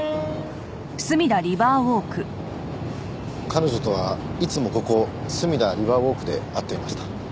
彼女とはいつもここすみだリバーウォークで会っていました。